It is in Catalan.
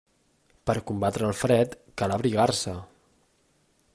Per combatre el fred, cal abrigar-se.